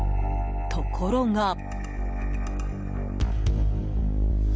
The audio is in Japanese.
ところが。